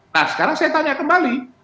nah sekarang saya tanya kembali